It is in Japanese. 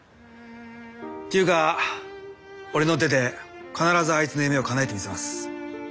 っていうか俺の手で必ずあいつの夢をかなえてみせます。